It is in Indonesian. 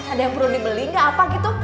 ada yang perlu dibeli nggak apa gitu